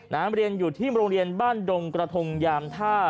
เรียนอยู่ที่โรงเรียนบ้านดงกระทงยามท่า